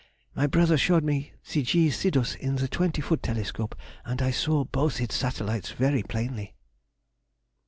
My brother showed me the G. Sidus in the twenty foot telescope, and I saw both its satellites very plainly.